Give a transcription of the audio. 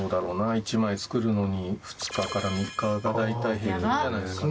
１枚作るのに２日から３日が大体平均じゃないですかね。